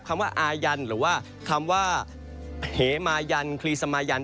คำว่าอายันหรือว่าคำว่าเหมายันคลีสมายัน